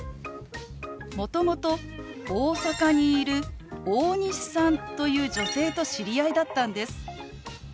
もともと大阪にいる大西さんという女性と知り合いだったんです。